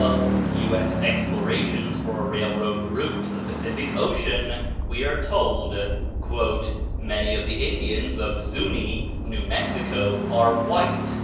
of "U. S. Explorations for a Railroad Route to the Pacific Ocean," we are told, "Many of the Indians of Zuni (New Mexico) are white.